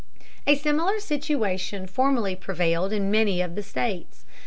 A similar situation formerly prevailed in many of the states.